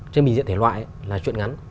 trên bình diện thể loại là chuyện ngắn